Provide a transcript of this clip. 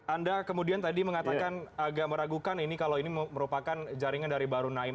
anda kemudian tadi mengatakan agak meragukan ini kalau ini merupakan jaringan dari baru naim